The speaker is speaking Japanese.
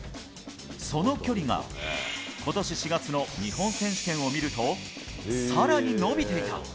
その距離が今年４月の日本選手権を見ると更に延びていた。